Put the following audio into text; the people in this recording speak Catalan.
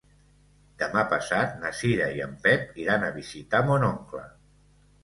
Demà passat na Cira i en Pep iran a visitar mon oncle.